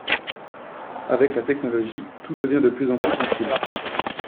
Avec la technologie tout devient de plus en plus sans fil